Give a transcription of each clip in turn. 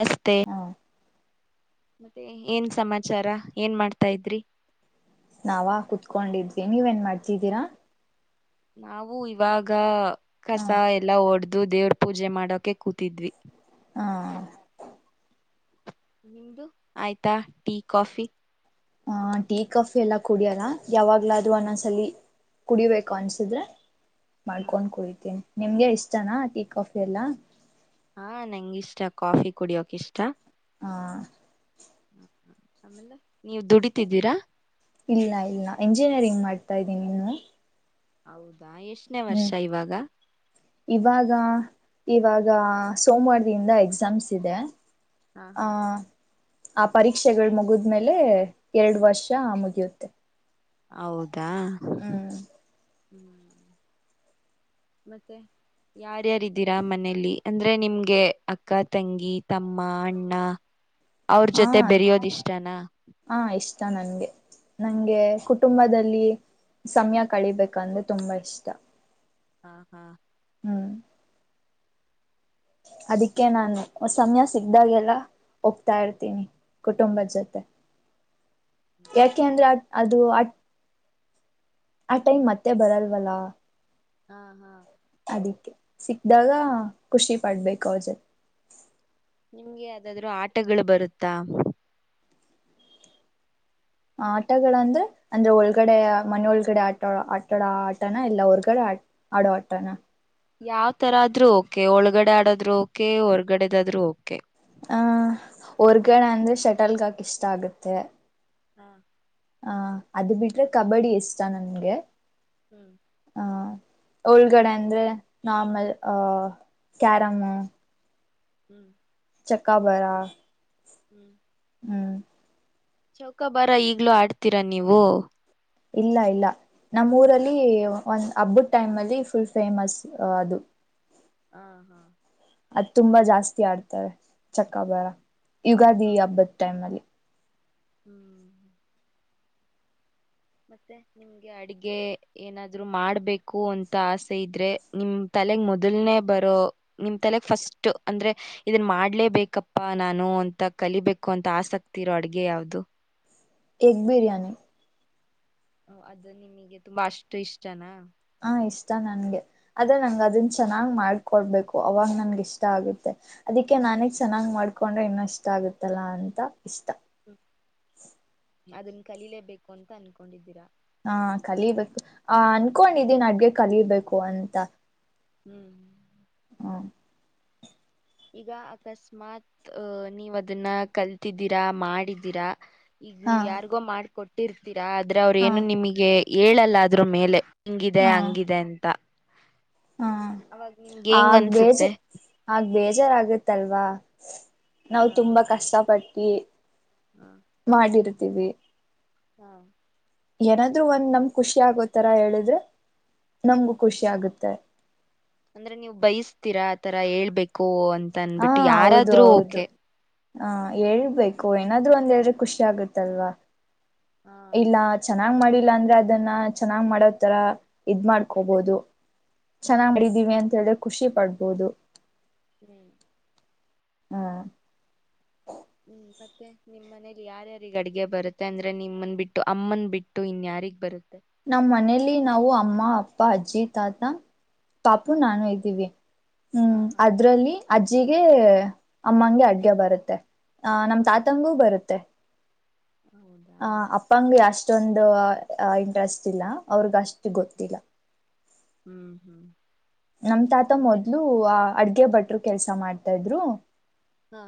ಮತ್ತೆ ಹ ಮತ್ತೆ ಏನ್ ಸಮಾಚಾರ ಏನ್ ಮಾಡ್ತಾ ಇದ್ರಿ ನಾವ ಕುತ್ಕೊಂಡಿದ್ವಿ ನೀವ ನ್ ಮಾಡ್ತಿದ್ದೀರಾ ನಾವು ಇವಾಗ ಹ ಕಸ ಎಲ್ಲಾ ಓಡ್ದ್ ಇದು ದೇವ್ರ ಪೂಜೆ ಮಾಡೋಕೆ ಕೂತಿದ್ವಿ ಹಾ ನಿಮ್ದು ಆಯ್ತಾ ಟೀ ಕಾಫಿ ಆ ಟೀಕ್ ಆಫ್ ಎಲ್ಲ ಕುಡಿಯಲ್ಲ ಯಾವಾಗ್ಲಾದ್ರು ಅನ್ನೊಂದ್ಸಲಿ ಕುಡಿಬೇಕು ಅನ್ಸಿದ್ರೆ ಮಾಡ್ಕೊಂಡ್ ಕುಡಿತೇನಿ ನಿಮ್ಗೆ ಇಷ್ಟನಾ ಟೀಕ್ ಆಫ್ ಎಲ್ಲ ಹಾ ನಂಗ ಇಷ್ಟ ಕಾಫಿ ಕುಡಿಯಕ್ ಇಷ್ಟ ಹಾ ಹ ಆಮೇಲ್ಲ ನೀವು ದುಡಿತಿದ್ದೀರಾ ಇಲ್ಲ ಇಲ್ಲ ಎಂಜಿನಿಯರಿಂಗ್ ಮಾಡ್ತಾ ಇದ್ದೀನಿ ನೀನು ಹೌದಾ ಎಷ್ಟನೇ ವರ್ಷ ಇವಾಗ ಇವಾಗ ಇವಾಗ ಸೋಮವಾರಿಯಿಂದ ಎಕ್ಸಾಮ್ಸ್ ಇದೆ ಹಾ ಆ ಹಾ ಆ ಪರೀಕ್ಷೆಗಳು ಮುಗಿದ್ಮೇಲೆ ಎರಡು ವರ್ಷ ಮುಗಿಯುತ್ತೆ ಹೌದಾ ಹ್ಮ್ ಹ್ಮ ಮತ್ತೆ ಯಾರ್ಯಾರಿದ್ದೀರಾ ಮನೇಲಿ ಅಂದ್ರೆ ನಿಮ್ಗೆ ಅಕ್ಕ ತಂಗಿ ತಮ್ಮ ಅಣ್ಣ ಅವ್ರ ಜೊತೆ ಬೆರೆಯೋದ ಇಷ್ಟನಾ ನಂಗೆ ನಂಗೆ ಕುಟುಂಬದಲ್ಲಿ ಸಮಯ ಕಳಿಬೇಕಂದ್ರೆ ತುಂಬಾ ಇಷ್ಟ ಹಾ ಹಾ ಅದಿಕ್ಕೆ ನಾನು ಸಮಯ ಸಿಗ್ದಾಗೆಲ್ಲ ಹೋಗ್ತಾ ಇರ್ತೀನಿ ಕುಟುಂಬದ ಜೊತೆ [inaudible] ಯಾಕೆ ಅಂದ್ರೆ ಅ ಅದು ಅ ಆ ಟೈಮ್ ಮತ್ತೆ ಬರಲ್ವಲ್ಲಾ ಹಾ ಹಾ ಸಿಕ್ದಾಗ ಖುಷಿ ಪಡ್ಬೇಕು ಅವಜ ನಿಮ್ಗೆ ಯಾವ್ದಾದ್ರು ಆಟಗಳು ಬರುತ್ತಾ ಆಟಗಳಂದ್ರೆ ಅಂದ್ರೆ ಒಳಗಡೆ ಮನೆ ಒಳಗಡೆ ಆಟ ಆಟಡ ಆಟನ ಎಲ್ಲ ಹೊರ್ಗಡೆ ಆ ಆಡೋವಾಡ್ತಾನ ಯಾವ್ ತರ ಆದ್ರೂ ಓಕೆ ಒಳಗಡೆ ಆಡೋದ್ರು ಓಕೆ ಹೊರ್ಗಡೆದಾದ್ರು ಓಕೆ ಹ ಹೊರ್ಗಡೆ ಅಂದ್ರೆ ಶಟಲ್ಗಾಕ ಇಷ್ಟ ಆಗತ್ತೆ ಹಾ ಹ ಅದು ಬಿಟ್ರೆ ಕಬಡ್ಡಿ ಇಷ್ಟ ನನ್ಗೆ ಹ್ಮ್ ಹ ಉಳ್ಗಡೆ ಅಂದ್ರೆ ನಾರ್ಮಲ್ ಆಹ ಕ್ಯಾರಮು ಹ್ಮ್ ಚಕ್ಕಾಬರಾ ಹ್ಮ್ ಚೌಕಾ ಬಾರ ಈಗ್ಲೂ ಆಡ್ತೀರಾ ನೀವು. ಇಲ್ಲ ಇಲ್ಲ ನಮ್ಮ ಊರಲ್ಲಿ ಒಂದ್ ಹಬ್ಬದ ಟೈಮ್ ಅಲ್ಲಿ ಫುಲ್ ಫೇಮಸ್ ಅದು‌ ಹಾ ಹಾ ಅದ್ ತುಂಬಾ ಜಾಸ್ತಿ ಆಡ್ತಾರೆ ಚಕ್ಕಬರ ಯುಗಾದಿ ಹ ಈ ಹಬ್ಬದ ಟೈಮ್ ಅಲ್ಲಿ. ಹ್ಮ್ ಮತ್ತೆ ನಿಮ್ಗೆ ಅಡಗೆ ಏನಾದ್ರು ಮಾಡ್ಬೇಕು ಅಂತ ಆಸೆ ಇದ್ರೆ ನಿಮ್ ತ ಮೊದೇ ಬರೋ ನಿಮ ತಲೆ ಫಸ್ಟ್ ಅಂದ್ರೆ ಇದನ್ ಮಾಡ್ಲೇಬೆಕ್ಕಪ್ಪ ನಾನು. ಅಂತ ಕಲಿಬೇಕು ಅಂತ ಆಸಕ್ತಿ ಇರೋ ಅಡ್ಗೆ ಯಾವ್ದು. ಎಗ್ ಬಿರಿಯಾನಿ ಅದು ನಿಮಗೆ ತುಂಬಾ ಅಷ್ಟು ಇಷ್ಟನಾ. ಹ ಇಷ್ಟ ನನ್ಗೆ ಆದ್ರೆ ನಂಗ ಅದನ್ ಚೆನ್ನಾಗ್ ಮಾಡ್ಕೊಡ್ಬೇಕು ಅವಾಗ ನನ್ಗೆ ಇಷ್ಟ ಆಗುತ್ತೆ. ಅದಕ್ಕೆ ನಾನೇಗ್ ಚೆನ್ನಾಗ್ ಮಾಡ್ಕೊಂಡ್ರೆ ಇನ್ನ ಇಷ್ಟ ಆಗತ್ತಲ್ಲಾ ಅಂತ ಇಷ್ಟ. ಅದನ್ ಕಲೀಲೇಬೇಕು ಅಂತ ಅನ್ಕೊಂಡಿದ್ದೀರಾ. ಹಾ ಕಲಿಬೇಕು ಆ ಅನ್ಕೊಂಡಿದ್ದೀನ್ ಅಡ್ಗೆ ಕಲಿಬೇಕು ಅಂತ. ಹ್ಮ್ ಹ್ಮ ಈಗ ಅಕಸ್ಮಾತ್ ಅದಹ ನೀವ್ ಅದನ್ನ ಕಲ್ತಿದ್ದೀರಾ ಮಾಡಿದೀರಾ. ಈಗ ಹಾ ನೀವು ಯಾರಿಗೋ ಮಾಡಕೊಟ್ಟಿರ್ತೀರಾ ಆದ್ರ ಅವ್ರ ಹಾ ಏನು ನಿಮಗೆ ಹೇಳಲ್ಲ ಅದ್ರು ಮೇಲೆ. ಹಿಂಗಿದೆ ಹಾ ಹಂಗಿದೆ ಅಂತ. ಹಾ ಅವಾಗ ನಿಮ್ಗೆ ಹೆಂಗ್ ಆಗ ಅನ್ಸುತ್ತೆ ಬೇಜಾರ್ ಆಗ ಬೇಜಾರಾಗತ್ತಲ್ವಾ ‌. ನಾವು ತುಂಬಾ ಹ್ಮ್ ಕಷ್ಟಪಟ್ಟಿ ಮಾಡಿರ್ ತಿವಿ ಹಾ ಏನಾದ್ರು ಒಂದ್ ನಮ ಖುಷಿ ಆಗೋತರ ಹೇಳಿದ್ರೆ ನಮ್ಗು ಹ್ಮ್ ಖುಷಿ ಆಗುತ್ತೆ. ಅಂದ್ರೆ ನೀವು ಬಯಸ್ತೀರಾ ಆತರ ಹೇಳ್ಬೇಕು ಅಂತ ಹಾ ಅನ್ಬಿಟ್ಟು ಹೌದು ಯಾರಾದ್ರೂ ಹೌದು ಓಕೆ. ಹ ಹೇಳ್ಬೇಕು ಏನಾದ್ರು ಒಂದ ಹೇಳ್ರೆ ಖುಷಿ ಆಗುತ್ತಲ್ವಾ. ಹಾ ಇಲ್ಲ ಚೆನ್ನಾಗ್ ಮಾಡಿಲ್ಲ ಅಂದ್ರೆ ಅದನ್ನ ಚೆನ್ನಾಗ್ ಮಾಡೋ ತರ ಇದ್ ಮಾಡ್ಕೋಬೋದು ‌. ಹಾ ಹಾ ಚೆನ್ನಾಗ್ಡಿದೀವಿ ಅಂತ ಹೇಳ್ರೆ ಖುಷಿ ಪಡ್ಬೋದು. ಹ್ಮ್ ಹಾ ಹ್ಮ್ ಮತ್ತೆ ನಿಮ್ಮ ಮನೇಲಿ ಯಾರ್ಯಾರ ಅಡ್ಗೆ ಬರುತ್ತೆ ಅಂದ್ರೆ ನಿಮ್ಮನ್ ಬಿಟ್ಟು ಅಮ್ಮನ್ ಬಿಟ್ಟು ಇನ್ಯಾರ್. ಯಾರಿಗ್ ಬರುತ್ ನಮ್ಮ್ ಮನೇಲಿ ನಾವು ಅಮ್ಮ ಅಪ್ಪ ಅಜ್ಜಿ ತಾತ. ಪಾಪು ಹಾ ನಾನು ಇದ್ದೀವಿ ಹಾ ಹ್ಮ್ ಹಾ ಅದ್ರಲ್ಲಿ ಅಜ್ಜ್ ಅಜ್ಜಿಗೆ ಅಮ್ಮಗೆ ಅಡ್ಗೆ ಬರುತ್ತೆ ಅಹ ನಮ್ ಹ್ಮ್ ತಾತಂಗೂ ಬರುತ್ತೆ. ಹೌದಾ ಹ ಅಪ್ಪಂಗ ಅಷ್ಟೊಂದು. ಇಂಟ್ರಟಸ್ ಇಲ್ಲ ಅವ್ರಗ ಅಷ್ಟು ಗೊತ್ತಿಲ್ಲ. ಹ್ಮ್ ಹ್ಮ್ ನಮ ತಾತ ಮತ್ತೆ ಮೊದ್ಲು ಆ ಅಡ್ಗೆ ಭಟ್ರು ಕೆಲ್ಸ ಮಾಡ್ತಾ ಇದ್ರು. ಹಾ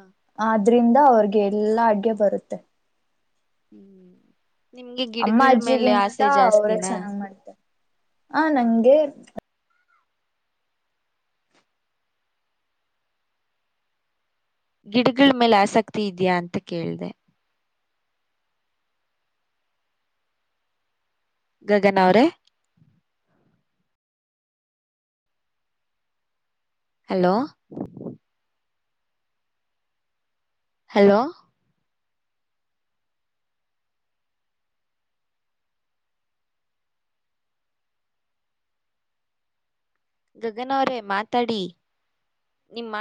ಅದ್ರಿಂದ ಅವ್ರಿಗೆ ಎಲ್ಲಾ ಅಡ್ಗೆ ಬರುತ್ತೆ. ಹ್ಮ್ ನಿಮ್ಗೆ ಅಮ್ಮ ಗಿಡಗಳ ಮೇಲೆ ಅಜ್ಜಿಗಿಂತ ಆಸೆ ಜಾಸ್ತಿನ. ಹ ನಂಗೆ. ಗಿಡಗಳ ಮೇಲೆ ಆಸಕ್ತಿ ಇದೆಯಾ ಅಂತ ಕೇಳಿದೆ. ಗಗನ ಅವ್ರೇ. ಹಲೋ ಹಲೋ ಗಗನ ಅವ್ರೇ ಮಾತಾಡಿ ನಿಮ್ ಮ